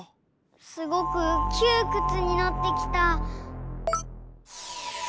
すごくきゅうくつになってきた。